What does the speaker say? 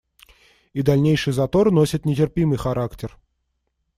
И дальнейший затор носит нетерпимый характер.